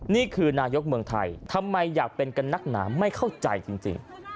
นี่คือนายกเมืองไทยทำไมอยากเป็นกันนักหนาไม่เข้าใจจริง